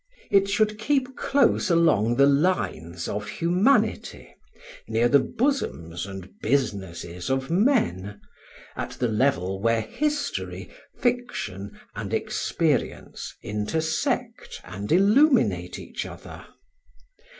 It should keep close along the lines of humanity, near the bosoms and businesses of men, at the level where history, fiction and experience intersect and illuminate each other.